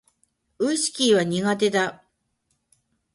ウィスキーは苦手だ